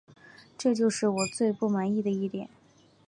这就是我最不满的一点